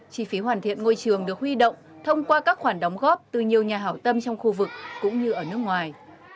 chi phí hoàn thiện ngôi trường được huy động thông qua các khoản đóng góp từ nhiều nhà hảo tâm trong khu vực cũng như ở nước ngoài